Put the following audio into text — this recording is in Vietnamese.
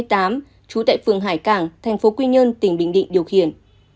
trú tại phường hải cảng tp quy nhơn tỉnh bình định điều khiển